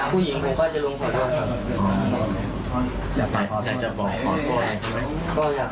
ก็อยากขอโทษครับ